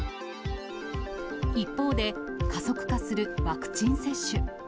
一方で、加速化するワクチン接種。